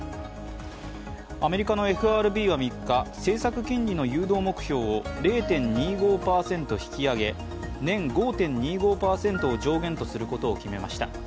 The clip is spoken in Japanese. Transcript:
アメリカのＦＲＢは３日政策金利の誘導目標を０．２５％引き上げ年５．２５％を上限とすることを決めました。